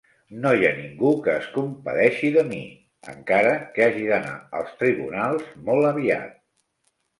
No hi ha ningú que es compadeixi de mi, encara que hagi d"anar als tribunals molt aviat.